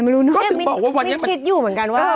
ไม่รู้เนอะก็ถึงบอกว่าวันนี้มินคิดอยู่เหมือนกันว่าเออ